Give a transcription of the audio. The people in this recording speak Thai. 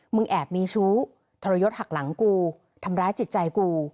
แอบมีชู้ทรยศหักหลังกูทำร้ายจิตใจกู